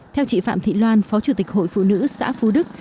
theo chị phạm thị loan phó chủ tịch hội phụ nữ xã phú đức